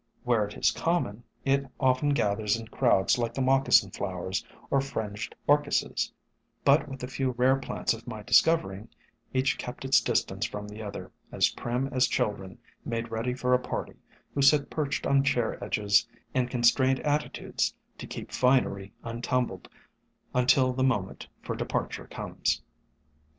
Where it is common, it often gathers in crowds like the Moccasin Flowers or Fringed Orchises, but with the few rare plants of my discovering, each kept its distance from the other, as prim as children made ready for a party, who sit perched on chair edges in con SOME HUMBLE ORCHIDS 135 strained attitudes to keep finery untumbled until the moment for departure comes.